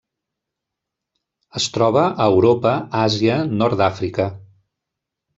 Es troba a Europa, Àsia, nord d'Àfrica.